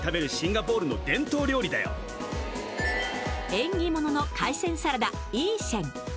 縁起物の海鮮サラダイーシェン。